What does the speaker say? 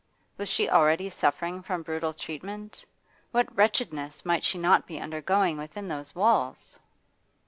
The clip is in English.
Was she already suffering from brutal treatment? What wretchedness might she not be undergoing within those walls!